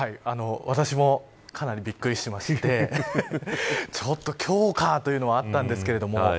私もかなりびっくりしてましてちょっと今日かというのはあったんですけれども。